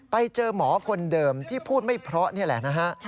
ไปเจอหมอคนเดิมที่พูดไม่เพราะนี่แหละนะฮะ